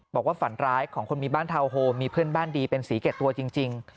ฝันร้ายของคนมีบ้านทาวน์โฮมมีเพื่อนบ้านดีเป็นสีเกรดตัวจริง